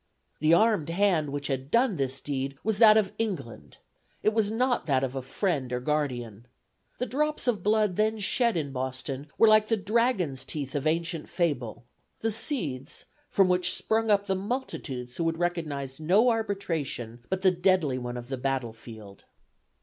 The armed hand, which had done this deed, was that of England. It was not that of a friend or guardian. The drops of blood then shed in Boston were like the dragon's teeth of ancient fable the seeds, from which sprung up the multitudes who would recognize no arbitration but the deadly one of the battle field."